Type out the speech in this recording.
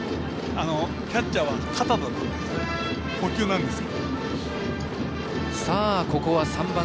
キャッチャーは肩と捕球なんです。